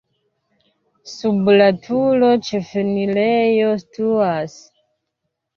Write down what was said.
Sub la turo ĉefenirejo situas.